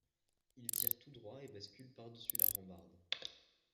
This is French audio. Il tire tout droit et bascule par-dessus la rambarde.